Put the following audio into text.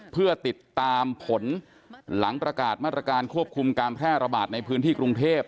เพื่อติดตามผลหลังประกาศมาตรการควบคุมการแพร่ระบาดในพื้นที่กรุงเทพ